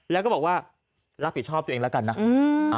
แล้วก็บอกว่ารับผิดชอบตัวเองแล้วกันนะ